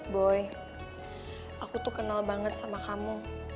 boy aku tuh kenal banget sama kamu